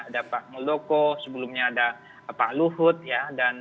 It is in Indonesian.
ada pak muldoko sebelumnya ada pak luhut ya